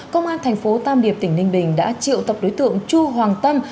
công an thành phố tam điệp tỉnh ninh bình đã triệu tập đối tượng chu hoàng tâm